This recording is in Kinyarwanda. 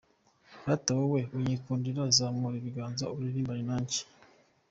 Rata, wowe unyikundira, Zamura ibiganza uririmbane nanjye”.